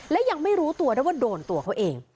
และยังไม่รู้ตัวด้วยว่าโดนตัวเขาเอง